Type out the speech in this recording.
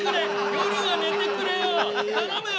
夜はねてくれよ頼むよ。